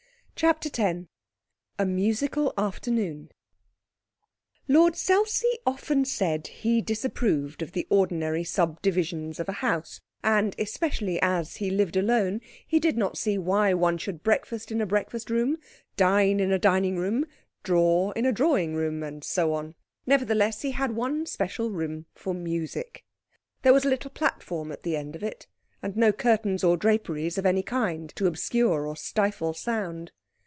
CHAPTER X A Musical Afternoon Lord Selsey often said he disapproved of the ordinary subdivisions of a house, and, especially as he lived alone, he did not see why one should breakfast in a breakfast room, dine in a dining room, draw in a drawing room, and so on. Nevertheless, he had one special room for music. There was a little platform at the end of it, and no curtains or draperies of any kind to obscure or stifle sound.